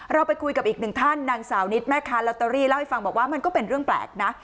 เราไปคุยกับอีกหนึ่งท่านนางสาวนิดแม่ค้าลอตเตอรี่เล่าให้ฟังบอกว่ามันก็เป็นเรื่องแปลกนะ